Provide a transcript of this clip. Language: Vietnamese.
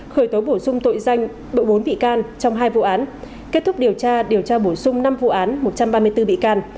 khởi tố bổ sung tội danh bộ bốn bị can trong hai vụ án kết thúc điều tra điều tra bổ sung năm vụ án một trăm ba mươi bốn bị can